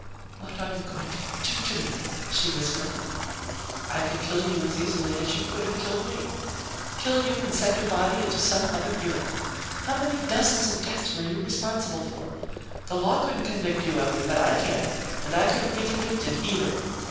"What are you going to do to me?" she whispered. "I could kill you as easily as you could have killed me. Kill you and send your body into some other era. How many dozens of deaths were you responsible for? The law couldn't convict you of them, but I can. And I couldn't be convicted, either."